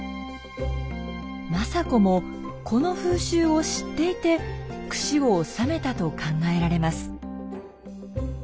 政子もこの風習を知っていてくしを納めたと考えられます。